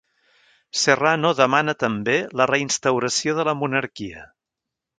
Serrano demana també la reinstauració de la monarquia.